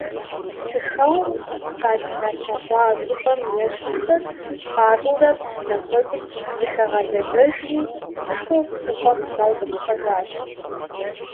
Псыхэуэм къаригъэлъэгъуа щӀыпӀэм ещхьхэр къатӀыурэ псынэ куэдыр зыхагъэлъэдэжри псышхуэу псыхъуэм даутӀыпщхьэжащ.